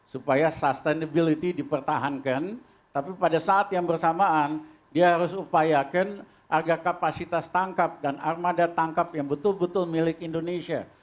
supaya sustainability dipertahankan tapi pada saat yang bersamaan dia harus upayakan agar kapasitas tangkap dan armada tangkap yang betul betul milik indonesia